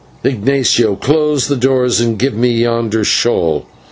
Ignatio, close those doors and give me yonder shawl."